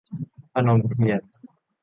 พนมเทียน